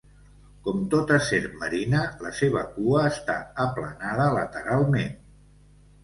Com tota serp marina, la seva cua està aplanada lateralment.